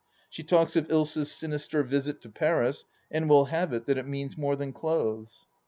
She talks of Ilsa's sinister visit to Paris, and will have it that it means more than clothes.